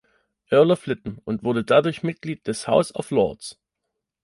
Earl of Lytton und wurde dadurch Mitglied des House of Lords.